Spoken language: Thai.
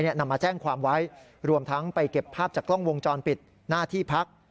นำมาแจ้งความไว้รวมทั้งไปเก็บภาพจากกล้องวงจรปิดหน้าที่พัก